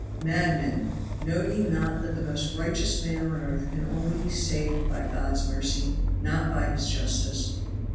Madmen! know ye not that the most righteous man on earth can only be saved by God's mercy, not by His justice?